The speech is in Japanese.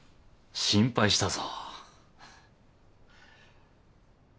心配したぞ。